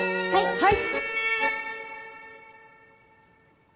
はい！